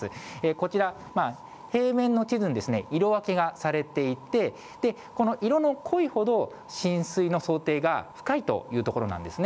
こちら、平面の地図に色分けがされていて、この色の濃いほど、浸水の想定が深いということなんですね。